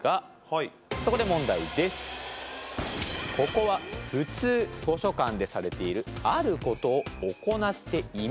ここは普通図書館でされているあることを行っていません。